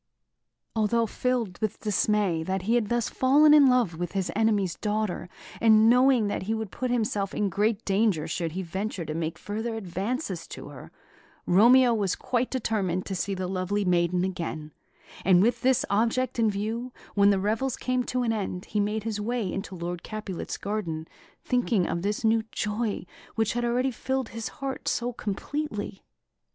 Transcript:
Although filled with dismay that he had thus fallen in love with his enemy's daughter, and knowing that he would put himself in great danger should he venture to make further advances to her, Romeo was quite determined to see the lovely maiden again; and with this object in view, when the revels came to an end, he made his way into Lord Capulet's garden, thinking of this new joy which had already filled his heart so completely.